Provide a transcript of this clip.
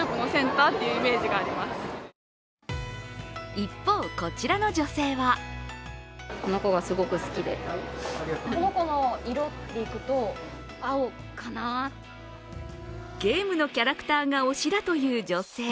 一方、こちらの女性はゲームのキャラクターが推しだという女性。